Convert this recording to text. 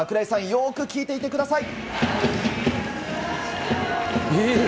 よく聴いていてください！